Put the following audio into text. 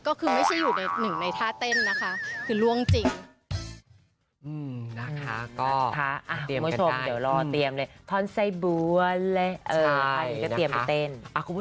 ก็คือไม่ใช่อยู่ในหนึ่งในท่าเต้นนะคะคือล่วงจริง